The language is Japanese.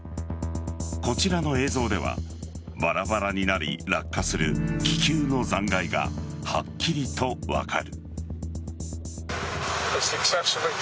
こちらの映像ではバラバラになり落下する気球の残骸がはっきりと分かる。